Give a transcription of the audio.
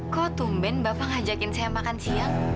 kok tumben bapak ngajakin saya makan siang